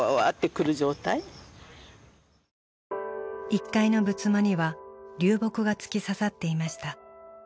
１階の仏間には流木が突き刺さっていました。